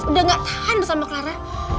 udah gak tahan sama clara